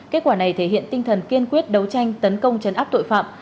kết quả này thể hiện tinh thần kiên quyết đấu tranh tấn công chấn áp tội phạm